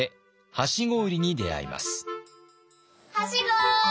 はしご。